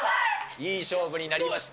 いい勝負になりました。